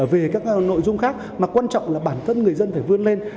về các nội dung khác mà quan trọng là bản thân người dân phải vươn lên